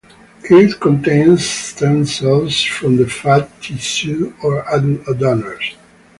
It contains stem cells from the fat tissue of adult donors.